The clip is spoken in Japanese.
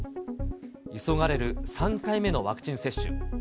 急がれる３回目のワクチン接種。